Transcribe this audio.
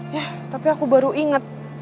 ya tapi aku baru inget